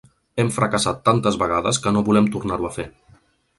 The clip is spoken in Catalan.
Hem fracassat tantes vegades que no volem tornar-ho a fer.